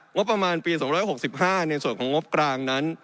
งบประมาณปี๒๖๕ในส่วนของงบกลางนั้น